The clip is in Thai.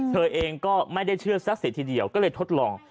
เธอเองก็ไม่ได้เชื่อสักเสียทีเดียวก็เลยทดลอง